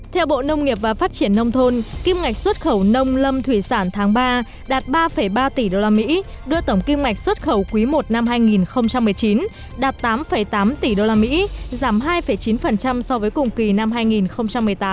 theo bộ nông nghiệp và phát triển nông thôn kim ngạch xuất khẩu nông lâm thủy sản tháng ba đạt ba ba tỷ usd đưa tổng kim ngạch xuất khẩu quý i năm hai nghìn một mươi chín đạt tám tám tỷ usd giảm hai chín so với cùng kỳ năm hai nghìn một mươi tám